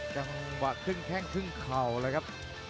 จังหวะครึ่งแข้งครึ่งเข่าเลยครับ